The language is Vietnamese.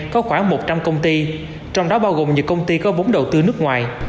có khoảng một trăm linh công ty trong đó bao gồm nhiều công ty có vốn đầu tư nước ngoài